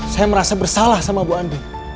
saya merasa bersalah sama bu andi